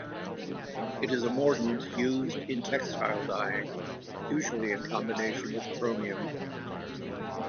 It is a mordant used in textile dyeing, usually in combination with chromium.